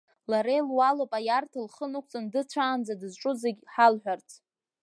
Лара илуалуп аиарҭа лхы нықәҵаны дыцәаанӡа дызҿу зегьы ҳалҳәарц.